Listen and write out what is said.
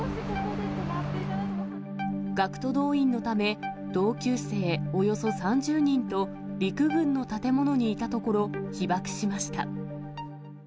学徒動員のため、同級生およそ３０人と、陸軍の建物にいたところ、被爆しました。